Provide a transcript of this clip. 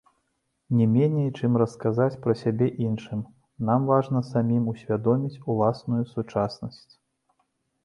Не меней, чым расказаць пра сябе іншым, нам важна самім усвядоміць уласную сучаснасць.